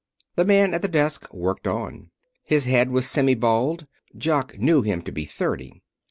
The man at the desk worked on. His head was semi bald. Jock knew him to be thirty.